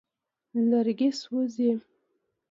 لرګي سوځوي.